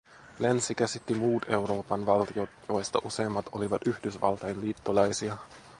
Länsi käsitti muut Euroopan valtiot, joista useimmat olivat Yhdysvaltain liittolaisia